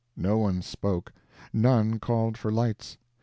No one spoke none called for lights.